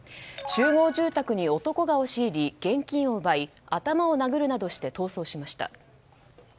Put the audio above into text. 集合住宅に男が押し入り現金を奪い、頭を殴るなどして逃走しました。